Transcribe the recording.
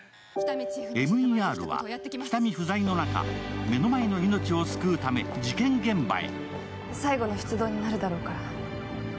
ＭＥＲは喜多見不在の中、目の前の命を救うため事件現場へ。